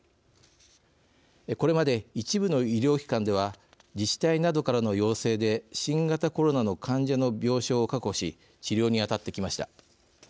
これまで一部の医療機関では自治体などからの要請で新型コロナの患者の病床を確保し治療に当たってきました。